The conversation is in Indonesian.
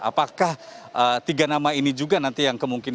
apakah tiga nama ini juga nanti yang kemungkinan